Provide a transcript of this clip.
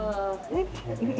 lucu banget ya